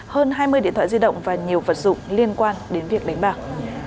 hơn hai mươi điện thoại di động và nhiều vật dụng liên quan đến việc đánh bạc